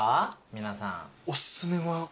皆さん。